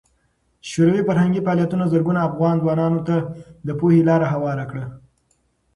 شوروي فرهنګي فعالیتونه زرګونو افغان ځوانانو ته د پوهې لار هواره کړه.